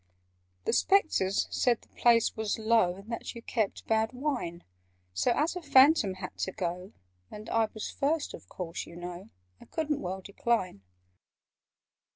"The Spectres said the place was low, And that you kept bad wine: So, as a Phantom had to go, And I was first, of course, you know, I couldn't well decline."